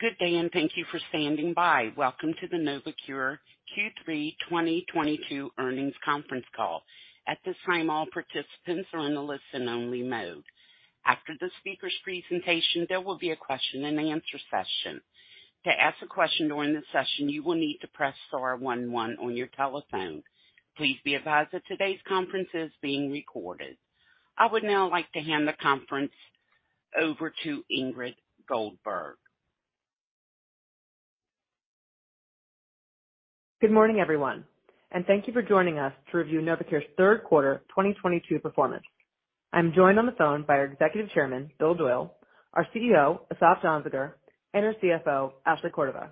Good day, and thank you for standing by. Welcome to the NovoCure Q3 2022 earnings conference call. At this time, all participants are in a listen-only mode. After the speaker's presentation, there will be a Q&A session. To ask a question during the session, you will need to press star one one on your telephone. Please be advised that today's conference is being recorded. I would now like to hand the conference over to Ingrid Goldberg. Good morning, everyone, and thank you for joining us to review NovoCure's third quarter 2022 performance. I'm joined on the phone by our Executive Chairman, Bill Doyle, our CEO, Asaf Danziger, and our CFO, Ashley Cordova.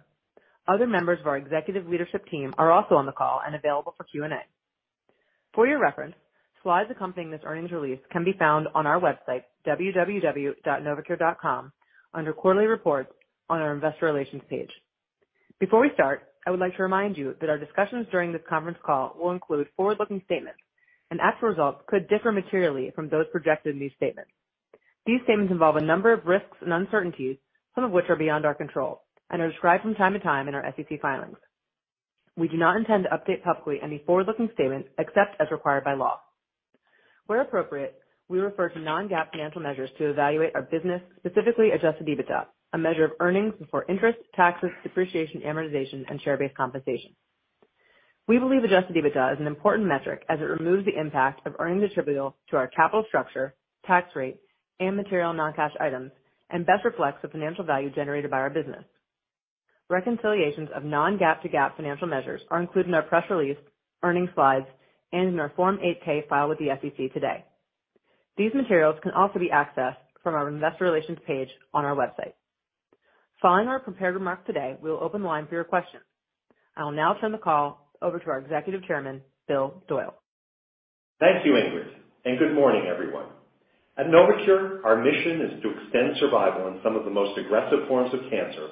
Other members of our executive leadership team are also on the call and available for Q&A. For your reference, slides accompanying this earnings release can be found on our website, www.novocure.com, under Quarterly Reports on our Investor Relations page. Before we start, I would like to remind you that our discussions during this conference call will include forward-looking statements, and actual results could differ materially from those projected in these statements. These statements involve a number of risks and uncertainties, some of which are beyond our control and are described from time to time in our SEC filings. We do not intend to update publicly any forward-looking statements except as required by law. Where appropriate, we refer to non-GAAP financial measures to evaluate our business, specifically adjusted EBITDA, a measure of earnings before interest, taxes, depreciation, amortization, and share-based compensation. We believe adjusted EBITDA is an important metric as it removes the impact of earnings attributable to our capital structure, tax rate, and material non-cash items and best reflects the financial value generated by our business. Reconciliations of non-GAAP to GAAP financial measures are included in our press release, earnings slides, and in our Form 8-K filed with the SEC today. These materials can also be accessed from our Investor Relations page on our website. Following our prepared remarks today, we will open the line for your questions. I will now turn the call over to our Executive Chairman, Bill Doyle. Thank you, Ingrid, and good morning, everyone. At NovoCure, our mission is to extend survival in some of the most aggressive forms of cancer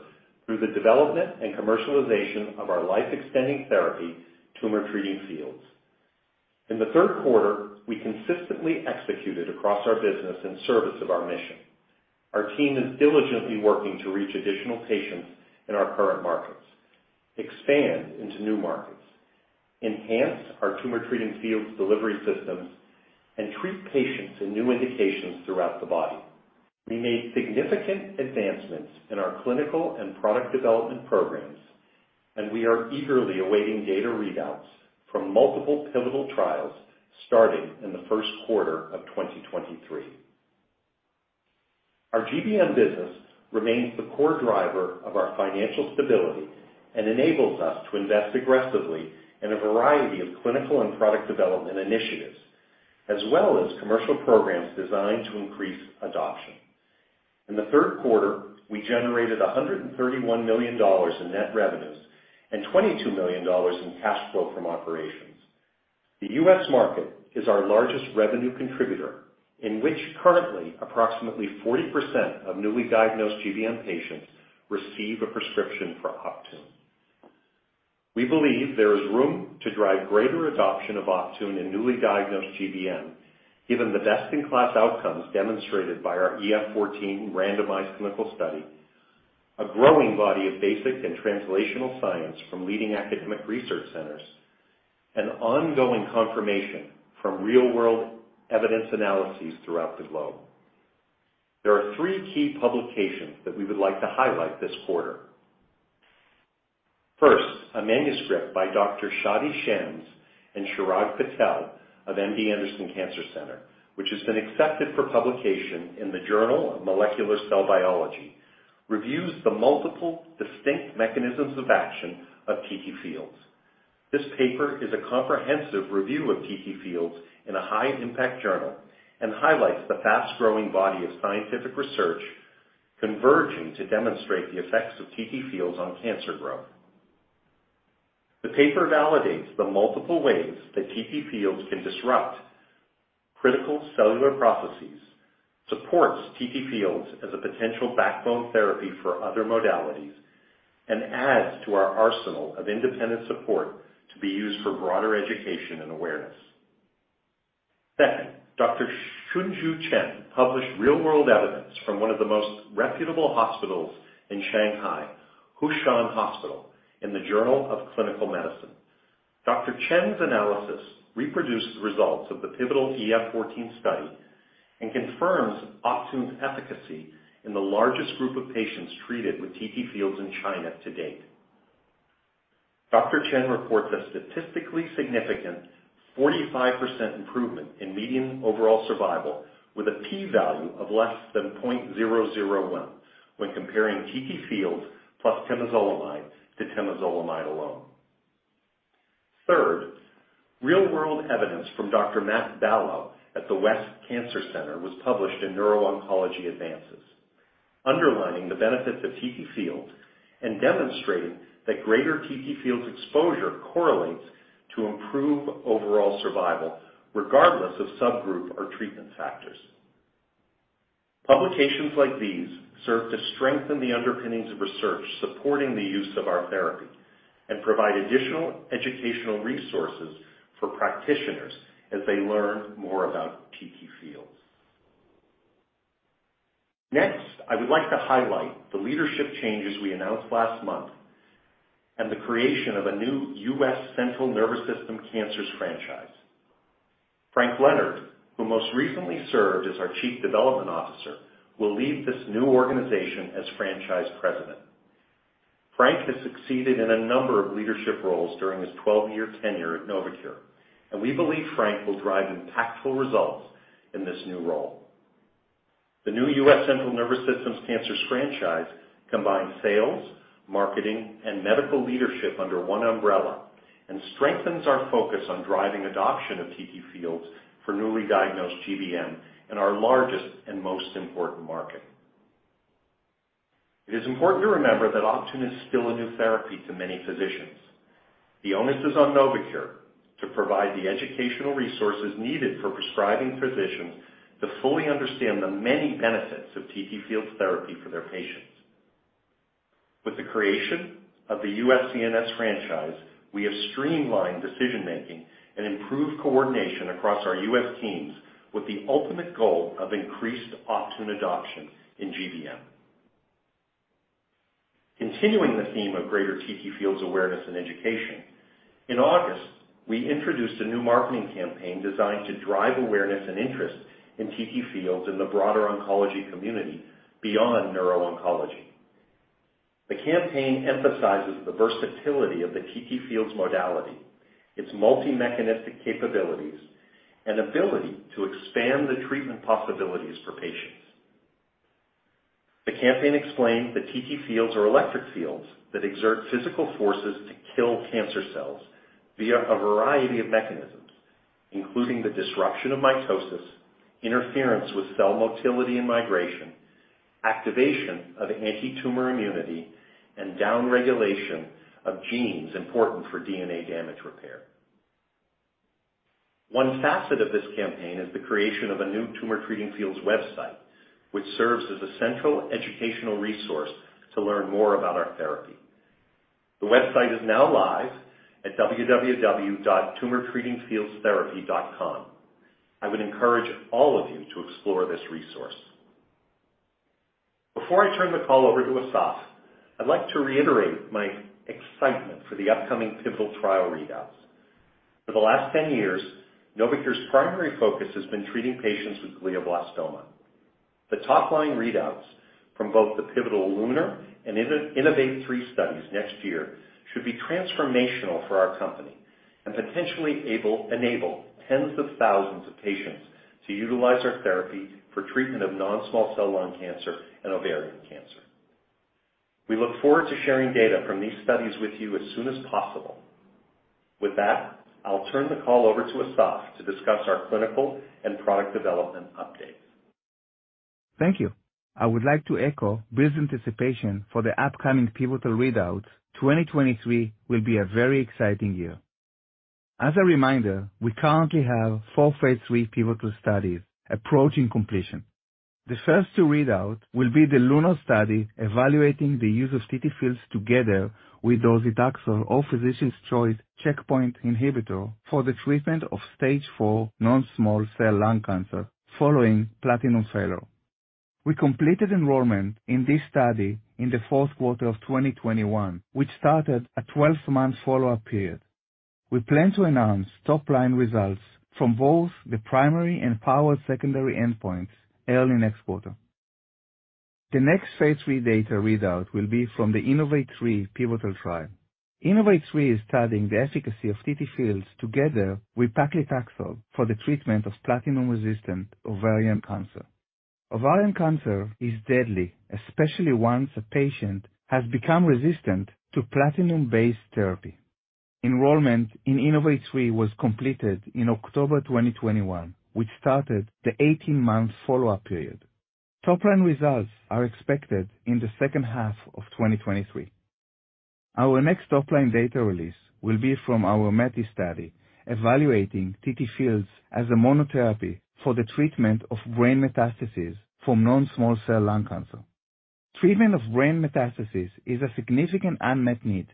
through the development and commercialization of our life-extending therapy, Tumor Treating Fields. In the third quarter, we consistently executed across our business in service of our mission. Our team is diligently working to reach additional patients in our current markets, expand into new markets, enhance our Tumor Treating Fields delivery systems, and treat patients in new indications throughout the body. We made significant advancements in our clinical and product development programs, and we are eagerly awaiting data readouts from multiple pivotal trials starting in the first quarter of 2023. Our GBM business remains the core driver of our financial stability and enables us to invest aggressively in a variety of clinical and product development initiatives, as well as commercial programs designed to increase adoption. In the third quarter, we generated $131 million in net revenues and $22 million in cash flow from operations. The US market is our largest revenue contributor, in which currently approximately 40% of newly diagnosed GBM patients receive a prescription for Optune. We believe there is room to drive greater adoption of Optune in newly diagnosed GBM, given the best-in-class outcomes demonstrated by our EF-14 randomized clinical study, a growing body of basic and translational science from leading academic research centers, and ongoing confirmation from real-world evidence analyses throughout the globe. There are three key publications that we would like to highlight this quarter. First, a manuscript by Dr. Shadi Chamseddine and Chirag Patel of MD Anderson Cancer Center, which has been accepted for publication in the Journal of Molecular Cell Biology, reviews the multiple distinct mechanisms of action of TT Fields. This paper is a comprehensive review of TT Fields in a high-impact journal and highlights the fast-growing body of scientific research converging to demonstrate the effects of TT Fields on cancer growth. The paper validates the multiple ways that TT Fields can disrupt critical cellular processes, supports TT Fields as a potential backbone therapy for other modalities, and adds to our arsenal of independent support to be used for broader education and awareness. Second, Dr. Xun Chen published real-world evidence from one of the most reputable hospitals in Shanghai, Huashan Hospital, in the Journal of Clinical Medicine. Dr. Chen's analysis reproduced the results of the pivotal EF-14 study and confirms Optune's efficacy in the largest group of patients treated with TT Fields in China to date. Dr. Chen reports a statistically significant 45% improvement in median overall survival with a P value of less than 0.001 when comparing TTFields plus temozolomide to temozolomide alone. Third, real-world evidence from Dr. Matthew Ballo at the West Cancer Center was published in Neuro-Oncology Advances, underlining the benefits of TTFields and demonstrating that greater TTFields exposure correlates to improved overall survival regardless of subgroup or treatment factors. Publications like these serve to strengthen the underpinnings of research supporting the use of our therapy. Provide additional educational resources for practitioners as they learn more about TTFields. Next, I would like to highlight the leadership changes we announced last month, and the creation of a new U.S. CNS Cancers franchise. Frank Leonard, who most recently served as our chief development officer, will lead this new organization as franchise president. Frank has succeeded in a number of leadership roles during his 12-year tenure at NovoCure, and we believe Frank will drive impactful results in this new role. The new U.S. CNS Cancers franchise combines sales, marketing, and medical leadership under one umbrella, and strengthens our focus on driving adoption of TTFields for newly diagnosed GBM in our largest and most important market. It is important to remember that Optune is still a new therapy to many physicians. The onus is on NovoCure to provide the educational resources needed for prescribing physicians to fully understand the many benefits of TTFields therapy for their patients. With the creation of the U.S. CNS franchise, we have streamlined decision-making and improved coordination across our U.S. teams with the ultimate goal of increased Optune adoption in GBM. Continuing the theme of greater TTFields awareness and education, in August, we introduced a new marketing campaign designed to drive awareness and interest in TTFields in the broader oncology community beyond neuro-oncology. The campaign emphasizes the versatility of the TTFields modality, its multi-mechanistic capabilities, and ability to expand the treatment possibilities for patients. The campaign explained that TTFields are electric fields that exert physical forces to kill cancer cells via a variety of mechanisms, including the disruption of mitosis, interference with cell motility and migration, activation of antitumor immunity, and downregulation of genes important for DNA damage repair. One facet of this campaign is the creation of a new Tumor Treating Fields website, which serves as a central educational resource to learn more about our therapy. The website is now live at www.tumortreatingfieldstherapy.com. I would encourage all of you to explore this resource. Before I turn the call over to Asaf, I'd like to reiterate my excitement for the upcoming pivotal trial readouts. For the last 10 years, NovoCure's primary focus has been treating patients with glioblastoma. The top-line readouts from both the pivotal LUNAR and INNOVATE-3 studies next year should be transformational for our company, and potentially enable tens of thousands of patients to utilize our therapy for treatment of non-small cell lung cancer and ovarian cancer. We look forward to sharing data from these studies with you as soon as possible. With that, I'll turn the call over to Asaf to discuss our clinical and product development updates. Thank you. I would like to echo Bill Doyle's anticipation for the upcoming pivotal readouts. 2023 will be a very exciting year. As a reminder, we currently have four phase III pivotal studies approaching completion. The first to read out will be the LUNAR study evaluating the use of TTFields together with docetaxel or physician's choice checkpoint inhibitor for the treatment of stage four non-small cell lung cancer following platinum failure. We completed enrollment in this study in the fourth quarter of 2021, which started a 12-month follow-up period. We plan to announce top-line results from both the primary and powered secondary endpoints early next quarter. The next phase III data readout will be from the INNOVATE-3 pivotal trial. INNOVATE-3 is studying the efficacy of TTFields together with paclitaxel for the treatment of platinum-resistant ovarian cancer. Ovarian cancer is deadly, especially once a patient has become resistant to platinum-based therapy. Enrollment in INNOVATE-3 was completed in October 2021, which started the 18-month follow-up period. Top-line results are expected in the second half of 2023. Our next top-line data release will be from our METIS study evaluating TTFields as a monotherapy for the treatment of brain metastases from non-small cell lung cancer. Treatment of brain metastases is a significant unmet need.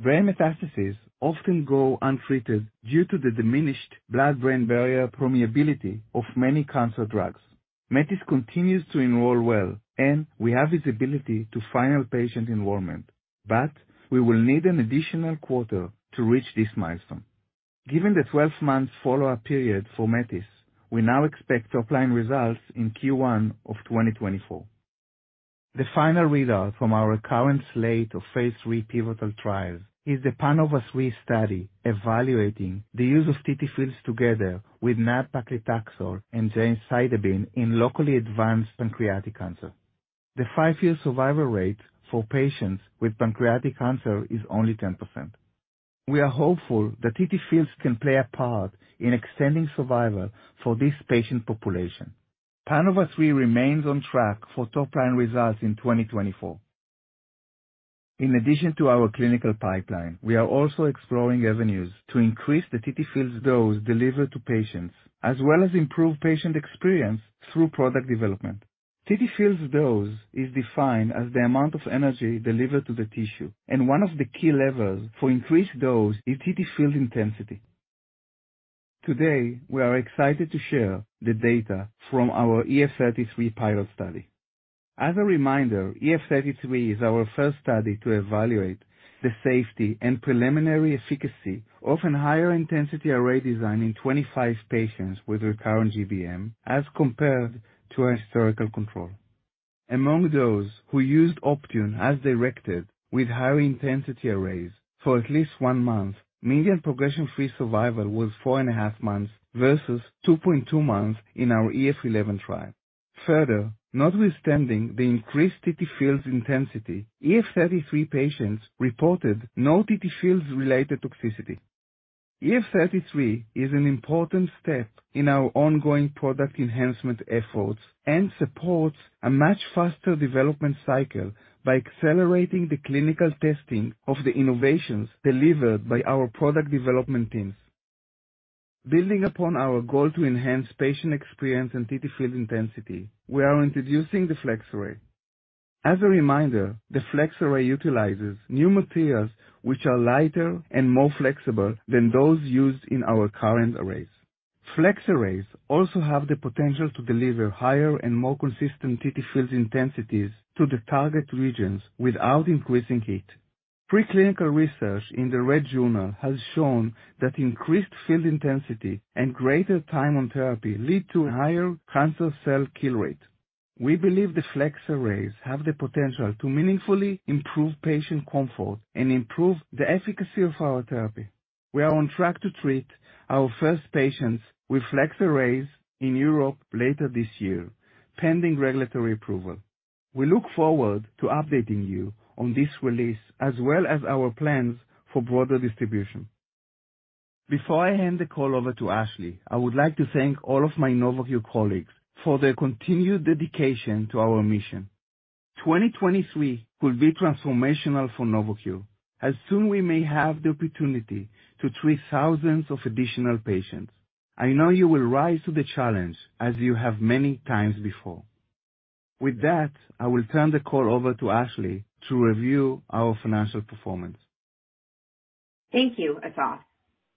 Brain metastases often go untreated due to the diminished blood-brain barrier permeability of many cancer drugs. METIS continues to enroll well, and we have visibility to final patient enrollment, but we will need an additional quarter to reach this milestone. Given the 12-month follow-up period for METIS, we now expect top-line results in Q1 of 2024. The final readout from our current slate of phase III pivotal trials is the PANOVA-3 study evaluating the use of TTFields together with nab-paclitaxel and gemcitabine in locally advanced pancreatic cancer. The five-year survival rate for patients with pancreatic cancer is only 10%. We are hopeful that TTFields can play a part in extending survival for this patient population. PANOVA-3 remains on track for top-line results in 2024. In addition to our clinical pipeline, we are also exploring avenues to increase the TTFields dose delivered to patients, as well as improve patient experience through product development. TTFields dose is defined as the amount of energy delivered to the tissue, and one of the key levers for increased dose is TTFields intensity. Today, we are excited to share the data from our EF-33 pilot study. As a reminder, EF-33 is our first study to evaluate the safety and preliminary efficacy of a higher intensity array design in 25-patients with recurrent GBM as compared to a historical control. Among those who used Optune as directed with high-intensity arrays for at least one month, median progression-free survival was four and a half months versus 2.2 months in our EF-11 trial. Further, notwithstanding the increased TTFields intensity, EF-33 patients reported no TTFields-related toxicity. EF-33 is an important step in our ongoing product enhancement efforts and supports a much faster development cycle by accelerating the clinical testing of the innovations delivered by our product development teams. Building upon our goal to enhance patient experience in TTFields intensity, we are introducing the flex array. As a reminder, the flex array utilizes new materials which are lighter and more flexible than those used in our current arrays. Flex arrays also have the potential to deliver higher and more consistent TTFields intensities to the target regions without increasing heat. Pre-clinical research in the Red Journal has shown that increased field intensity and greater time on therapy lead to a higher cancer cell kill rate. We believe the Flex Arrays have the potential to meaningfully improve patient comfort and improve the efficacy of our therapy. We are on track to treat our first patients with Flex Arrays in Europe later this year, pending regulatory approval. We look forward to updating you on this release, as well as our plans for broader distribution. Before I hand the call over to Ashley, I would like to thank all of my NovoCure colleagues for their continued dedication to our mission. 2023 could be transformational for NovoCure as soon we may have the opportunity to treat thousands of additional patients. I know you will rise to the challenge as you have many times before. With that, I will turn the call over to Ashley to review our financial performance. Thank you, Asaf.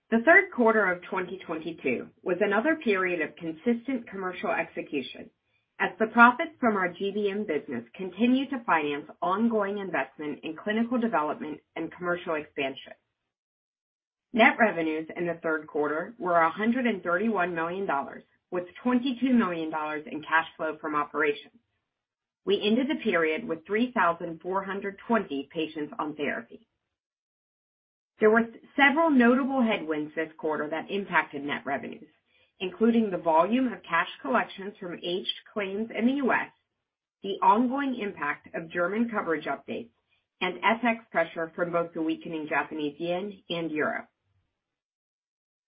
The third quarter of 2022 was another period of consistent commercial execution as the profits from our GBM business continued to finance ongoing investment in clinical development and commercial expansion. Net revenues in the third quarter were $131 million, with $22 million in cash flow from operations. We ended the period with 3,420 patients on therapy. There were several notable headwinds this quarter that impacted net revenues, including the volume of cash collections from aged claims in the U.S., the ongoing impact of German coverage updates, and FX pressure from both the weakening Japanese yen and Europe.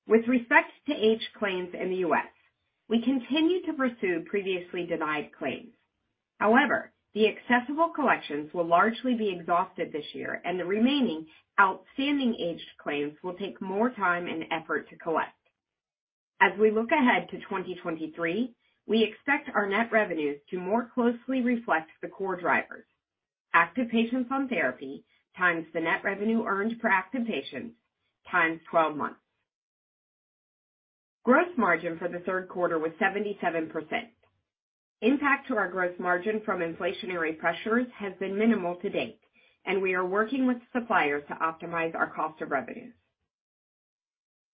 With respect to aged claims in the U.S., we continue to pursue previously denied claims. However, the accessible collections will largely be exhausted this year, and the remaining outstanding aged claims will take more time and effort to collect. As we look ahead to 2023, we expect our net revenues to more closely reflect the core drivers. Active patients on therapy times the net revenue earned per active patient times 12 months. Gross margin for the third quarter was 77%. Impact to our gross margin from inflationary pressures has been minimal to date, and we are working with suppliers to optimize our cost of revenues.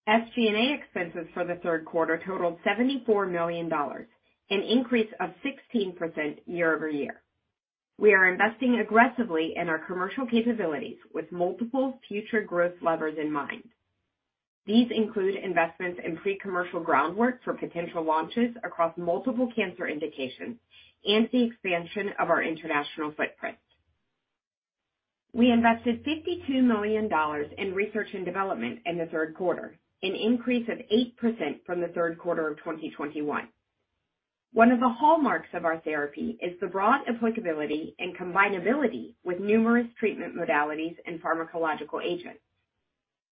SG&A expenses for the third quarter totaled $74 million, an increase of 16% year-over-year. We are investing aggressively in our commercial capabilities with multiple future growth levers in mind. These include investments in pre-commercial groundwork for potential launches across multiple cancer indications and the expansion of our international footprint. We invested $52 million in research and development in the third quarter, an increase of 8% from the third quarter of 2021. One of the hallmarks of our therapy is the broad applicability and combinability with numerous treatment modalities and pharmacological agents.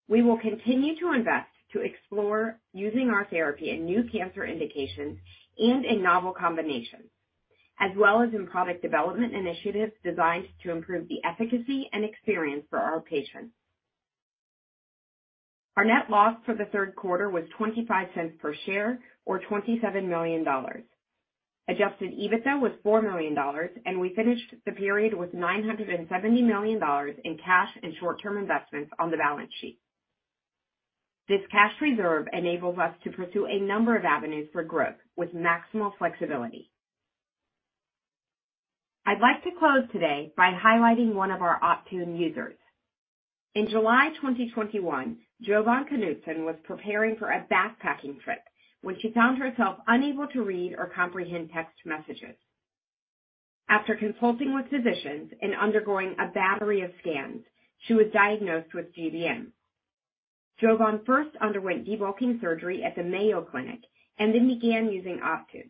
We will continue to invest to explore using our therapy in new cancer indications and in novel combinations, as well as in product development initiatives designed to improve the efficacy and experience for our patients. Our net loss for the third quarter was $0.25 per share or $27 million. Adjusted EBITDA was $4 million, and we finished the period with $970 million in cash and short-term investments on the balance sheet. This cash reserve enables us to pursue a number of avenues for growth with maximal flexibility. I'd like to close today by highlighting one of our Optune users. In July 2021, Jovan Knutson was preparing for a backpacking trip when she found herself unable to read or comprehend text messages. After consulting with physicians and undergoing a battery of scans, she was diagnosed with GBM. Jovan first underwent debulking surgery at the Mayo Clinic and then began using Optune.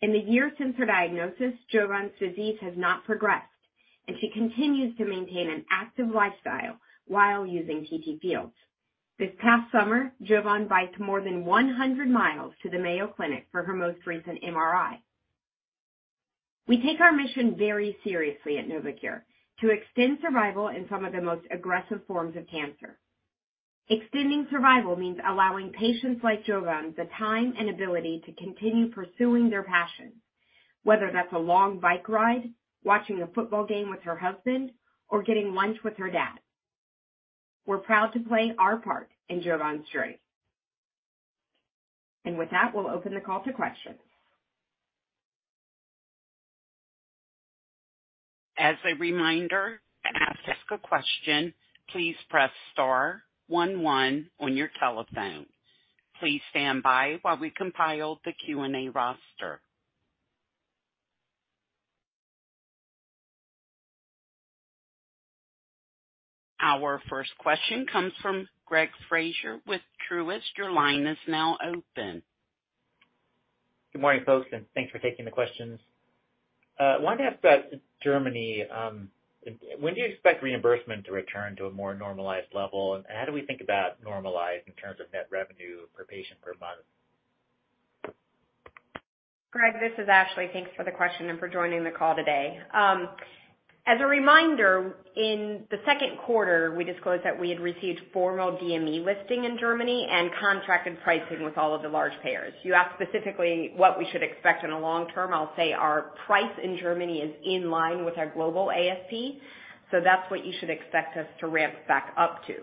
In the year since her diagnosis, Jovan's disease has not progressed. She continues to maintain an active lifestyle while using TTFields. This past summer, Jovan biked more than 100 miles to the Mayo Clinic for her most recent MRI. We take our mission very seriously at NovoCure to extend survival in some of the most aggressive forms of cancer. Extending survival means allowing patients like Jovan the time and ability to continue pursuing their passions, whether that's a long bike ride, watching a football game with her husband, or getting lunch with her dad. We're proud to play our part in Jovan's story. With that, we'll open the call to questions. As a reminder, to ask a question, please press star one one on your telephone. Please stand by while we compile the Q&A roster. Our first question comes from Gregory Fraser with Truist. Your line is now open. Good morning, folks, and thanks for taking the questions. Wanted to ask about Germany. When do you expect reimbursement to return to a more normalized level? And how do we think about normalized in terms of net revenue per patient per month? Greg, this is Ashley. Thanks for the question and for joining the call today. As a reminder, in the second quarter, we disclosed that we had received formal DME listing in Germany and contracted pricing with all of the large payers. You asked specifically what we should expect in the long term. I'll say our price in Germany is in line with our global ASP, so that's what you should expect us to ramp back up to.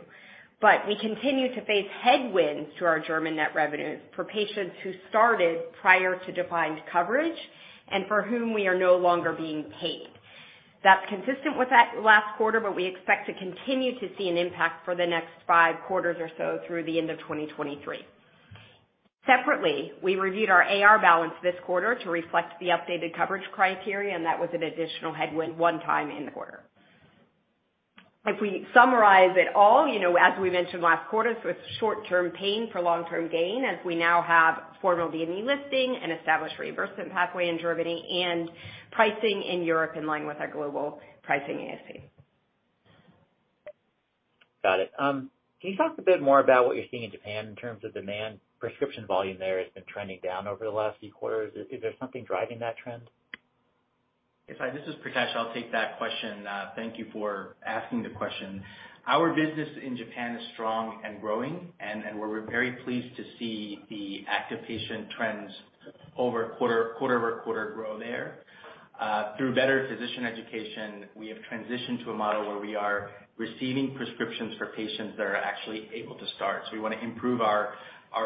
We continue to face headwinds to our German net revenue for patients who started prior to defined coverage and for whom we are no longer being paid. That's consistent with that last quarter, but we expect to continue to see an impact for the next five quarters or so through the end of 2023. Separately, we reviewed our AR balance this quarter to reflect the updated coverage criteria, and that was an additional headwind one time in the quarter. If we summarize it all, you know, as we mentioned last quarter, so it's short-term pain for long-term gain as we now have formal DME listing and established reimbursement pathway in Germany and pricing in Europe in line with our global pricing ASP. Got it. Can you talk a bit more about what you're seeing in Japan in terms of demand? Prescription volume there has been trending down over the last few quarters. Is there something driving that trend? Yes. This is Pritesh. I'll take that question. Thank you for asking the question. Our business in Japan is strong and growing, and we're very pleased to see the active patient trends over quarter over quarter grow there. Through better physician education, we have transitioned to a model where we are receiving prescriptions for patients that are actually able to start. So we wanna improve our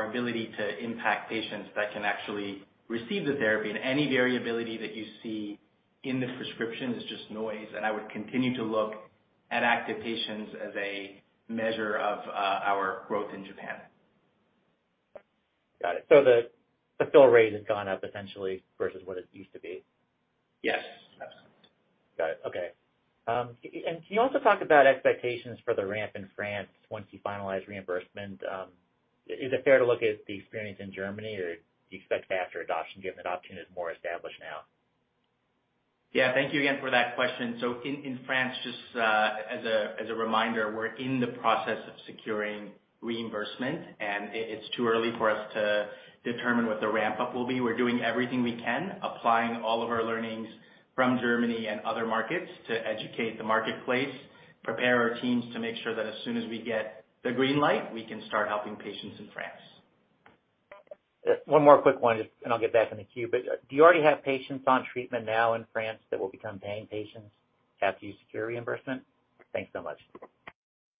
ability to impact patients that can actually receive the therapy. Any variability that you see in the prescription is just noise, and I would continue to look at active patients as a measure of our growth in Japan. Got it. The fill rate has gone up essentially versus what it used to be? Yes. Got it. Okay, can you also talk about expectations for the ramp in France once you finalize reimbursement? Is it fair to look at the experience in Germany? Do you expect faster adoption given adoption is more established now? Yeah. Thank you again for that question. In France, just as a reminder, we're in the process of securing reimbursement, and it's too early for us to determine what the ramp-up will be. We're doing everything we can, applying all of our learnings from Germany and other markets to educate the marketplace, prepare our teams to make sure that as soon as we get the green light, we can start helping patients in France. One more quick one, and I'll get back in the queue. Do you already have patients on treatment now in France that will become paying patients after you secure reimbursement? Thanks so much.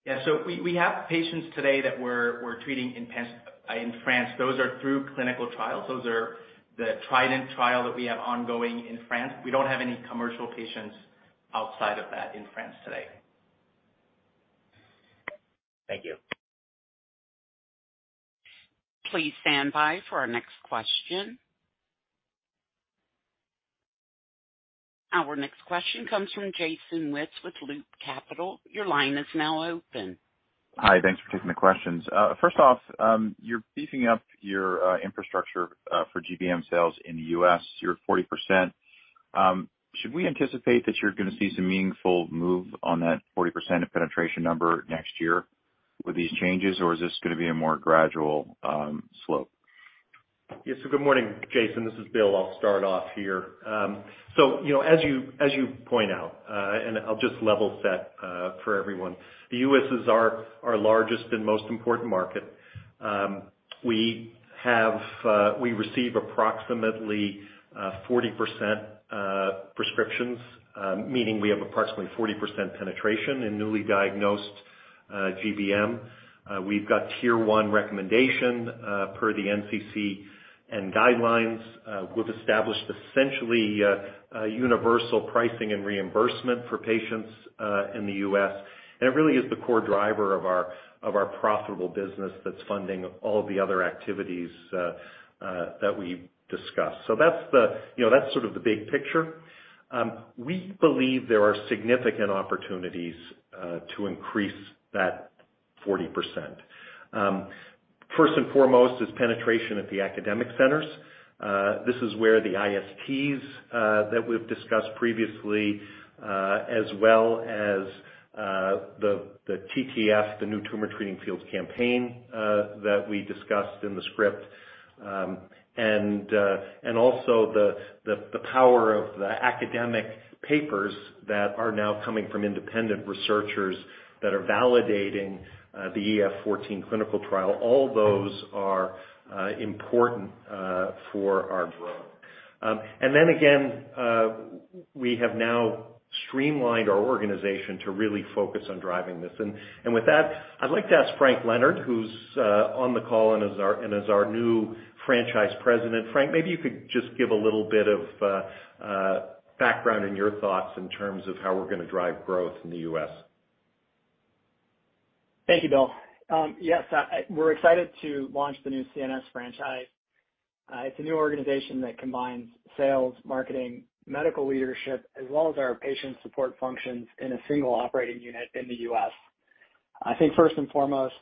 Yeah. We have patients today that we're treating in France. Those are through clinical trials. Those are the TRIDENT trial that we have ongoing in France. We don't have any commercial patients outside of that in France today. Thank you. Please stand by for our next question. Our next question comes from Jason Wittes with Loop Capital. Your line is now open. Hi. Thanks for taking the questions. First off, you're beefing up your infrastructure for GBM sales in the U.S. You're at 40%. Should we anticipate that you're gonna see some meaningful move on that 40% penetration number next year with these changes, or is this gonna be a more gradual slope? Good morning, Jason. This is Bill. I'll start off here. You know, as you point out, I'll just level set for everyone, the U.S. is our largest and most important market. We receive approximately 40% prescriptions, meaning we have approximately 40% penetration in newly diagnosed GBM. We've got tier one recommendation per the NCCN and guidelines. We've established essentially a universal pricing and reimbursement for patients in the U.S., and it really is the core driver of our profitable business that's funding all of the other activities that we discussed. You know, that's sort of the big picture. We believe there are significant opportunities to increase that 40%. First and foremost is penetration at the academic centers. This is where the ISTs that we've discussed previously, as well as the TTFields, the new Tumor Treating Fields campaign that we discussed in the script. Also the power of the academic papers that are now coming from independent researchers that are validating the EF-14 clinical trial. All those are important for our growth. Then again, we have now streamlined our organization to really focus on driving this. With that, I'd like to ask Frank Leonard, who's on the call and is our new franchise president. Frank, maybe you could just give a little bit of a background and your thoughts in terms of how we're gonna drive growth in the U.S. Thank you, Bill. Yes, we're excited to launch the new CNS franchise. It's a new organization that combines sales, marketing, medical leadership, as well as our patient support functions in a single operating unit in the U.S. I think first and foremost,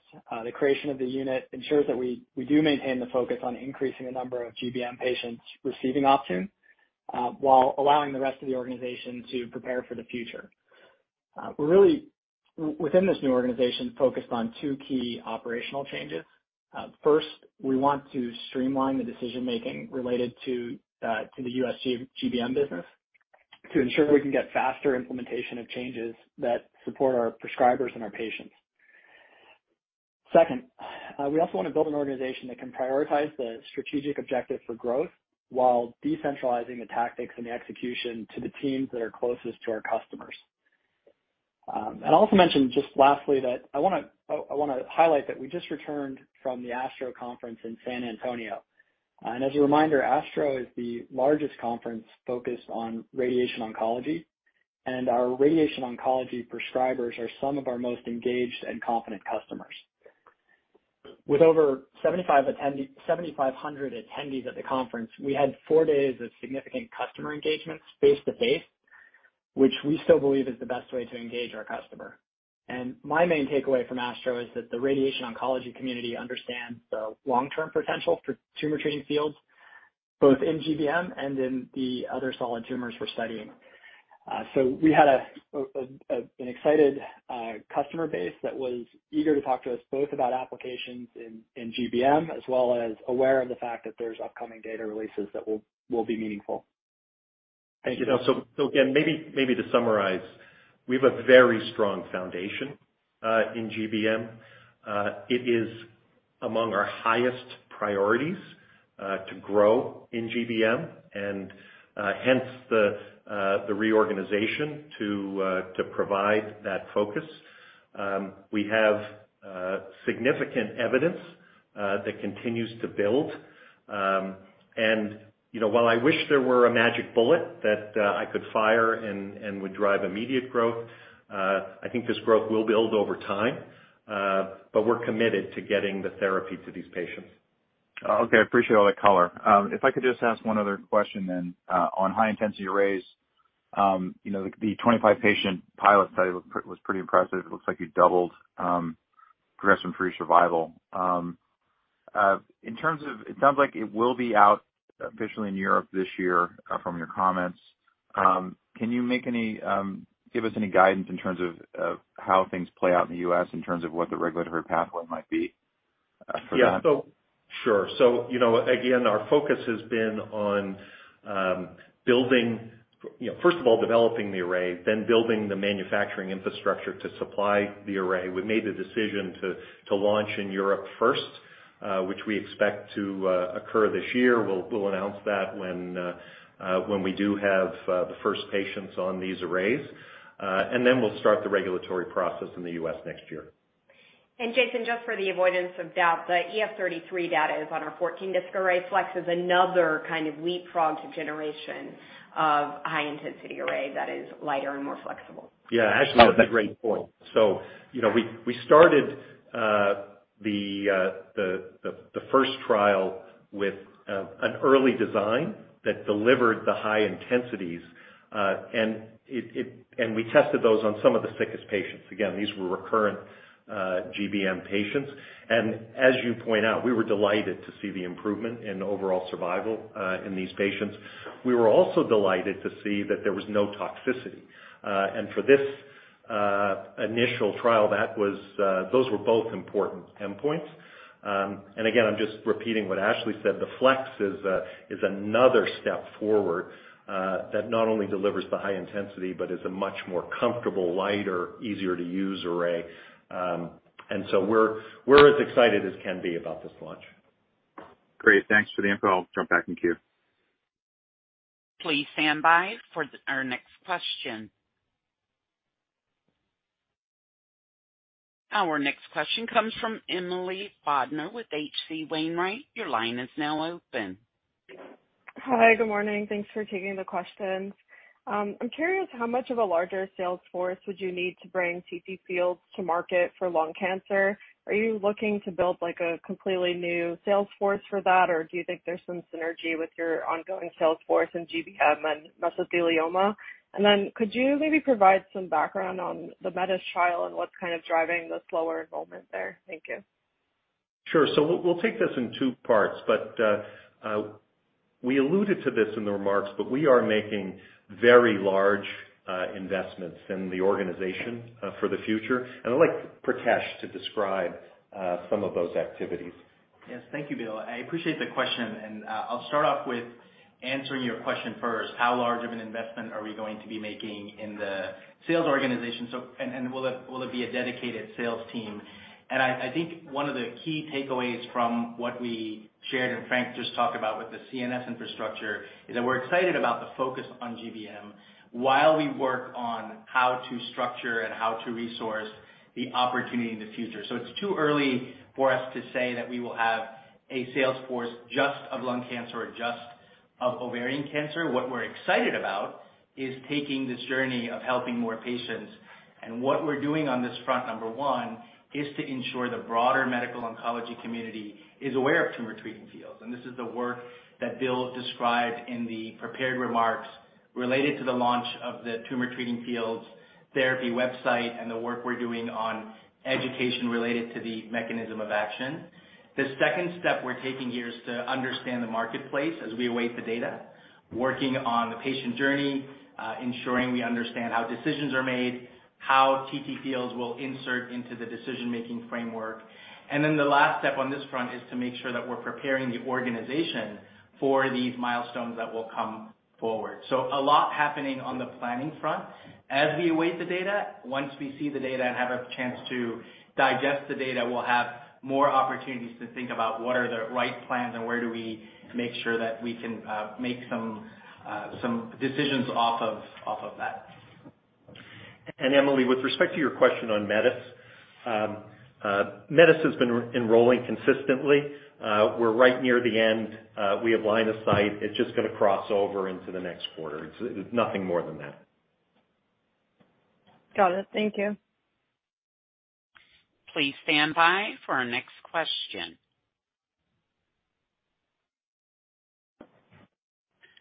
the creation of the unit ensures that we do maintain the focus on increasing the number of GBM patients receiving Optune, while allowing the rest of the organization to prepare for the future. We're really within this new organization, focused on two key operational changes. First, we want to streamline the decision-making related to the U.S. GBM business to ensure we can get faster implementation of changes that support our prescribers and our patients. Second, we also wanna build an organization that can prioritize the strategic objective for growth while decentralizing the tactics and the execution to the teams that are closest to our customers. I'd also mention just lastly that I wanna highlight that we just returned from the ASTRO conference in San Antonio. As a reminder, ASTRO is the largest conference focused on radiation oncology, and our radiation oncology prescribers are some of our most engaged and confident customers. With over 7,500 attendees at the conference, we had four days of significant customer engagements face-to-face, which we still believe is the best way to engage our customer. My main takeaway from ASTRO is that the radiation oncology community understands the long-term potential for Tumor Treating Fields, both in GBM and in the other solid tumors we're studying. We had an excited customer base that was eager to talk to us both about applications in GBM, as well as aware of the fact that there's upcoming data releases that will be meaningful. Thank you. Again, maybe to summarize, we have a very strong foundation in GBM. It is among our highest priorities to grow in GBM and hence the reorganization to provide that focus. We have significant evidence that continues to build. You know, while I wish there were a magic bullet that I could fire and would drive immediate growth, I think this growth will build over time, but we're committed to getting the therapy to these patients. Okay. I appreciate all that color. If I could just ask one other question then, on high-intensity arrays. You know, the 25-patient pilot study was pretty impressive. It looks like you doubled progression-free survival. It sounds like it will be out officially in Europe this year, from your comments. Can you give us any guidance in terms of how things play out in the U.S. in terms of what the regulatory pathway might be, for that? You know, again, our focus has been on building, you know, first of all, developing the array, then building the manufacturing infrastructure to supply the array. We made the decision to launch in Europe first, which we expect to occur this year. We'll announce that when we do have the first patients on these arrays. We'll start the regulatory process in the U.S. next year. Jason, just for the avoidance of doubt, the EF-33 data is on our 14 disc array. Flex is another kind of leapfrog generation of high-intensity array that is lighter and more flexible. Yeah. Ashley, that's a great point. You know, we started the first trial with an early design that delivered the high intensities, and it. We tested those on some of the sickest patients. Again, these were recurrent GBM patients. As you point out, we were delighted to see the improvement in overall survival in these patients. We were also delighted to see that there was no toxicity. For this initial trial, that was, those were both important endpoints. Again, I'm just repeating what Ashley said, the Flex is another step forward that not only delivers the high intensity but is a much more comfortable, lighter, easier to use array. We're as excited as can be about this launch. Great. Thanks for the info. I'll drop back in queue. Please stand by for our next question. Our next question comes from Emily Bodnar with H.C. Wainwright. Your line is now open. Hi. Good morning. Thanks for taking the questions. I'm curious how much of a larger sales force would you need to bring TTFields to market for lung cancer? Are you looking to build like a completely new sales force for that, or do you think there's some synergy with your ongoing sales force in GBM and mesothelioma? Could you maybe provide some background on the METIS trial and what's kind of driving the slower enrollment there? Thank you. Sure. We'll take this in two parts, but we alluded to this in the remarks, but we are making very large investments in the organization for the future. I'd like Pritesh to describe some of those activities. Yes. Thank you, Bill. I appreciate the question, and I'll start off with answering your question first. How large of an investment are we going to be making in the sales organization? And will it be a dedicated sales team? I think one of the key takeaways from what we shared, and Frank just talked about with the CNS infrastructure, is that we're excited about the focus on GBM while we work on how to structure and how to resource the opportunity in the future. It's too early for us to say that we will have a sales force just of lung cancer or just of ovarian cancer. What we're excited about is taking this journey of helping more patients. What we're doing on this front, number one, is to ensure the broader medical oncology community is aware of Tumor Treating Fields. This is the work that Bill described in the prepared remarks related to the launch of the Tumor Treating Fields therapy website and the work we're doing on education related to the mechanism of action. The second step we're taking here is to understand the marketplace as we await the data, working on the patient journey, ensuring we understand how decisions are made, how TTFields will insert into the decision making framework. The last step on this front is to make sure that we're preparing the organization for these milestones that will come forward. A lot happening on the planning front as we await the data. Once we see the data and have a chance to digest the data, we'll have more opportunities to think about what are the right plans and where do we make sure that we can make some decisions off of that. Emily, with respect to your question on METIS has been enrolling consistently. We're right near the end. We have line of sight. It's just gonna cross over into the next quarter. It's nothing more than that. Got it. Thank you. Please stand by for our next question.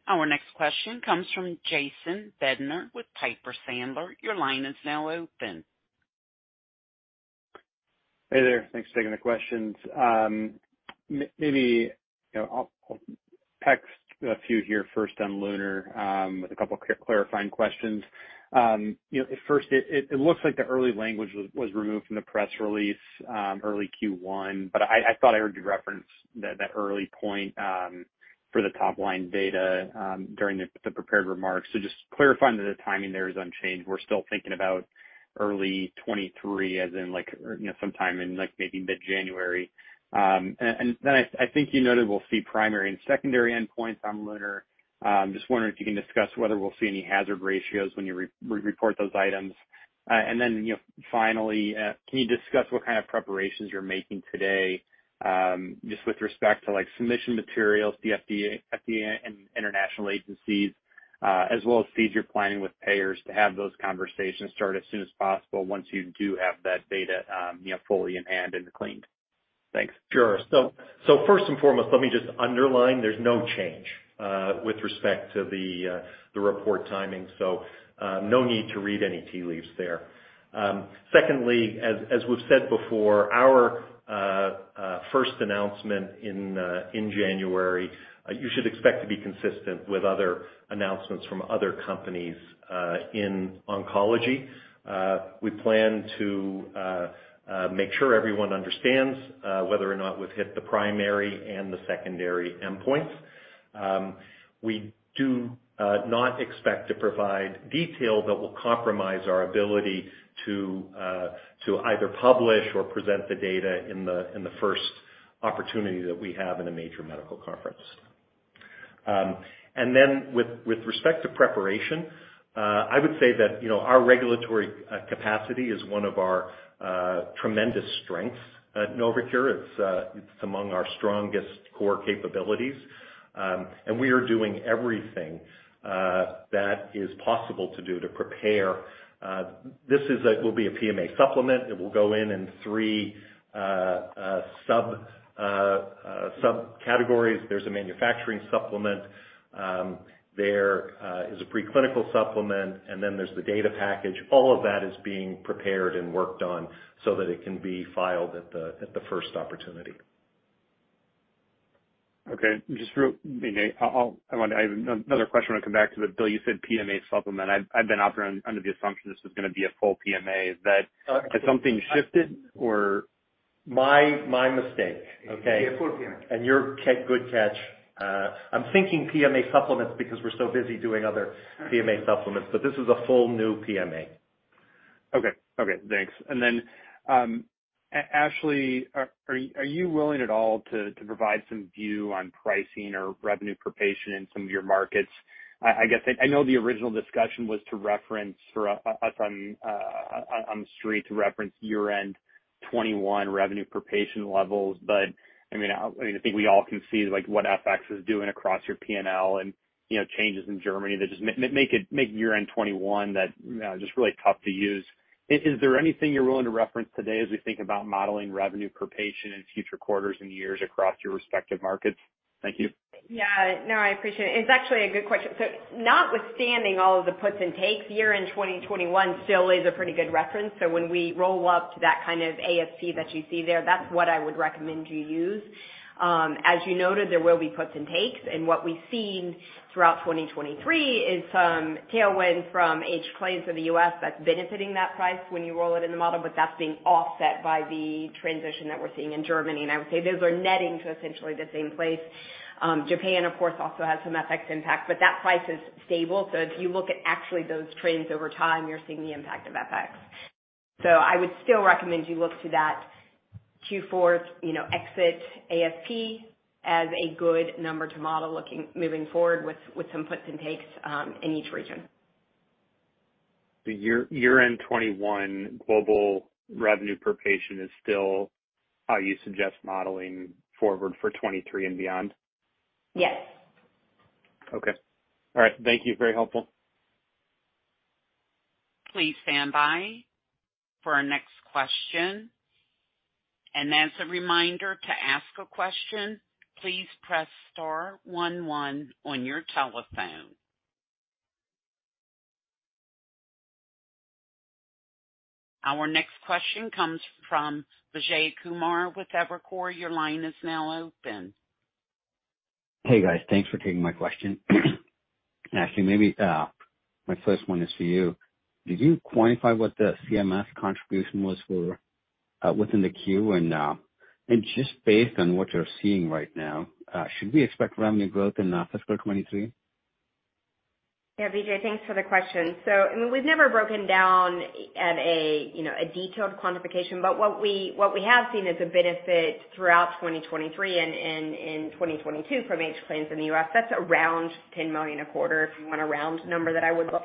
Our next question comes from Jason Bednar with Piper Sandler. Your line is now open. Hey there. Thanks for taking the questions. Maybe, you know, I'll text a few here first on LUNAR, with a couple clarifying questions. You know, at first it looks like the early language was removed from the press release, early Q1, but I thought I heard you reference that early point for the top line data during the prepared remarks. Just clarifying that the timing there is unchanged. We're still thinking about early 2023, as in, like, you know, sometime in, like, maybe mid-January. And then I think you noted we'll see primary and secondary endpoints on LUNAR. Just wondering if you can discuss whether we'll see any hazard ratios when you report those items. You know, finally, can you discuss what kind of preparations you're making today, just with respect to, like, submission materials, the FDA and international agencies, as well as fees you're planning with payers to have those conversations start as soon as possible once you do have that data, you know, fully in hand and cleaned? Thanks. Sure. First and foremost, let me just underline there's no change with respect to the report timing. No need to read any tea leaves there. Secondly, as we've said before, our first announcement in January you should expect to be consistent with other announcements from other companies in oncology. We plan to make sure everyone understands whether or not we've hit the primary and the secondary endpoints. We do not expect to provide detail that will compromise our ability to either publish or present the data in the first opportunity that we have in a major medical conference. With respect to preparation, I would say that, you know, our regulatory capacity is one of our tremendous strengths at NovoCure. It's among our strongest core capabilities. We are doing everything that is possible to do to prepare. This will be a PMA supplement. It will go in three subcategories. There's a manufacturing supplement, there is a pre-clinical supplement, and then there's the data package. All of that is being prepared and worked on so that it can be filed at the first opportunity. Okay. I have another question. I wanna come back to it. Bill, you said PMA supplement. I've been operating under the assumption this was gonna be a full PMA. Is that? Uh, it's a full- Has something shifted or? My mistake. Okay. It'll be a full PMA. Good catch. I'm thinking PMA supplements because we're so busy doing other PMA supplements, but this is a full new PMA. Okay. Okay, thanks. Ashley, are you willing at all to provide some view on pricing or revenue per patient in some of your markets? I guess I know the original discussion was to reference for us on the street to reference year-end 2021 revenue per patient levels. But I mean, I think we all can see like what FX is doing across your P&L and, you know, changes in Germany that just make year-end 2021 that, you know, just really tough to use. Is there anything you're willing to reference today as we think about modeling revenue per patient in future quarters and years across your respective markets? Thank you. Yeah. No, I appreciate it. It's actually a good question. Notwithstanding all of the puts and takes, year-end 2021 still is a pretty good reference. When we roll up to that kind of ASP that you see there, that's what I would recommend you use. As you noted, there will be puts and takes. What we've seen throughout 2023 is some tailwind from aged claims in the U.S. that's benefiting that price when you roll it in the model, but that's being offset by the transition that we're seeing in Germany. I would say those are netting to essentially the same place. Japan, of course, also has some FX impact, but that price is stable. If you look at actually those trends over time, you're seeing the impact of FX. I would still recommend you look to that Q4, you know, exit ASP as a good number to model moving forward with some puts and takes in each region. Year-end 2021 global revenue per patient is still how you suggest modeling forward for 2023 and beyond? Yes. Okay. All right. Thank you. Very helpful. Please stand by for our next question. As a reminder, to ask a question, please press star one one on your telephone. Our next question comes from Vijay Kumar with Evercore. Your line is now open. Hey, guys. Thanks for taking my question. Ashley, maybe my first one is for you. Did you quantify what the CMS contribution was for within the Q? Just based on what you're seeing right now, should we expect revenue growth in fiscal 2023? Yeah, Vijay Kumar, thanks for the question. I mean, we've never broken down at a, you know, a detailed quantification, but what we have seen is a benefit throughout 2023 and in 2022 from H plans in the U.S. That's around $10 million a quarter, if you want a round number that I would look.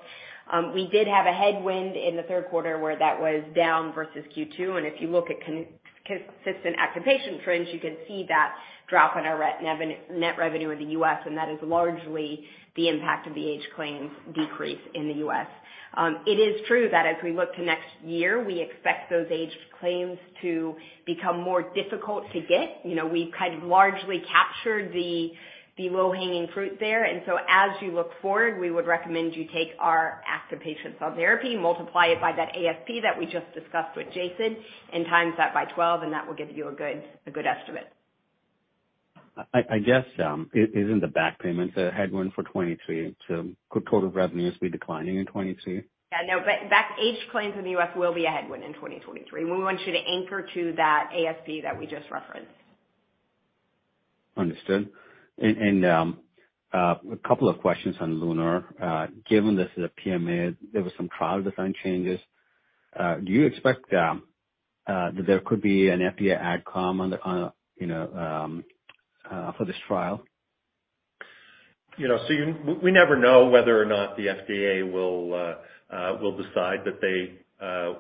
We did have a headwind in the third quarter where that was down versus Q2. If you look at consistent active patient trends, you can see that drop in our net revenue in the US, and that is largely the impact of the aged claims decrease in the US. It is true that as we look to next year, we expect those aged claims to become more difficult to get. You know, we've kind of largely captured the low-hanging fruit there. As you look forward, we would recommend you take our active patients on therapy, multiply it by that ASP that we just discussed with Jason, and times that by 12, and that will give you a good estimate. I guess, isn't the back payments a headwind for 2023? Could total revenue be declining in 2022? Yeah, no, aged claims in the U.S. will be a headwind in 2023. We want you to anchor to that ASP that we just referenced. Understood. A couple of questions on LUNAR. Given this is a PMA, there were some trial design changes. Do you expect that there could be an FDA advisory committee on the, on a, you know, for this trial? You know, we never know whether or not the FDA will decide that they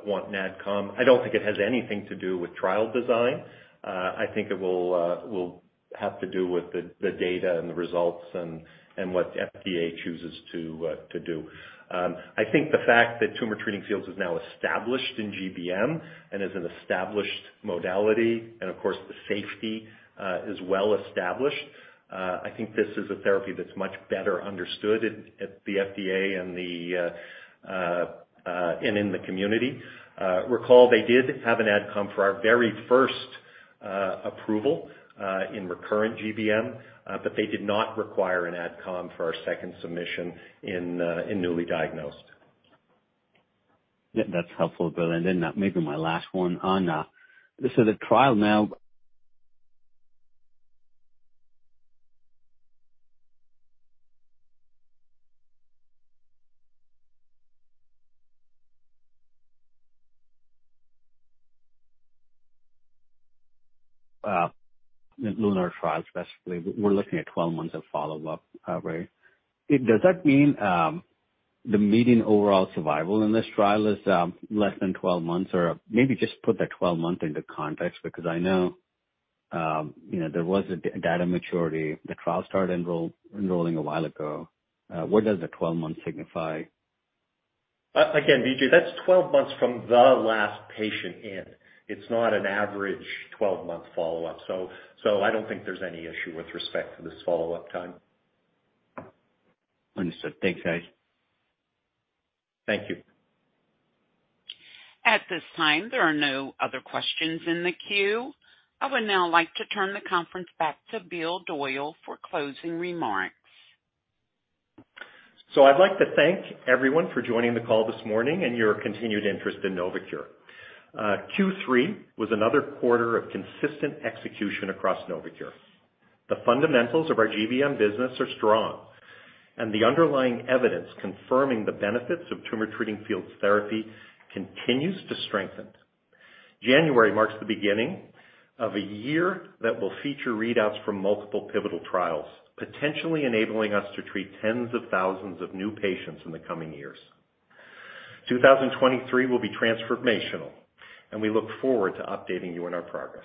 want an advisory committee. I don't think it has anything to do with trial design. I think it will have to do with the data and the results and what the FDA chooses to do. I think the fact that Tumor Treating Fields is now established in GBM and is an established modality and of course, the safety is well established. I think this is a therapy that's much better understood at the FDA and in the community. Recall they did have an advisory committee for our very first approval in recurrent GBM, but they did not require an advisory committee for our second submission in newly diagnosed. Yeah, that's helpful, Bill. Maybe my last one on the trial now. In LUNAR trials specifically, we're looking at 12 months of follow-up, right? Does that mean the median overall survival in this trial is less than 12 months? Or maybe just put the 12-month into context, because I know, you know, there was a data maturity. The trial started enrolling a while ago. What does the 12 months signify? Again, Vijay, that's 12 months from the last patient in. It's not an average 12-month follow-up. I don't think there's any issue with respect to this follow-up time. Understood. Thanks, guys. Thank you. At this time, there are no other questions in the queue. I would now like to turn the conference back to Bill Doyle for closing remarks. I'd like to thank everyone for joining the call this morning and your continued interest in NovoCure. Q3 was another quarter of consistent execution across NovoCure. The fundamentals of our GBM business are strong, and the underlying evidence confirming the benefits of Tumor Treating Fields therapy continues to strengthen. January marks the beginning of a year that will feature readouts from multiple pivotal trials, potentially enabling us to treat tens of thousands of new patients in the coming years. 2023 will be transformational, and we look forward to updating you on our progress.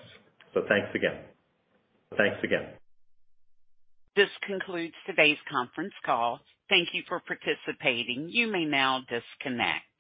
Thanks again. Thanks again. This concludes today's conference call. Thank you for participating. You may now disconnect.